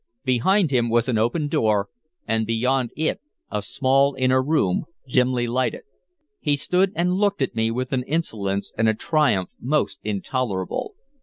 Behind him was an open door, and beyond it a small inner room, dimly lighted. He stood and looked at me with an insolence and a triumph most intolerable.